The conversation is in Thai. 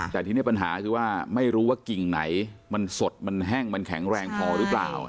แต่ทีนี้ปัญหาคือว่าไม่รู้ว่ากิ่งไหนมันสดมันแห้งมันแข็งแรงพอหรือเปล่า